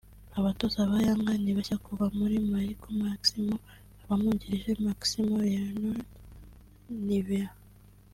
Abatoza ba Yanga ni bashya kuva kuri Marcio Maximo n’ abamwungirije Maximo Leonardo Neiva